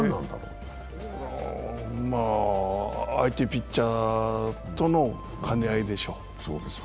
相手ピッチャーとの兼ね合いでしょう。